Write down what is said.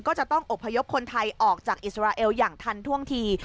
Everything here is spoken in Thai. ก็จะต้องอบพยพคนไทยออกจากอิสราเอลอย่างทันท่วงที